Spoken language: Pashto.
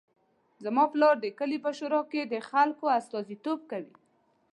زما پلار د کلي په شورا کې د خلکو استازیتوب کوي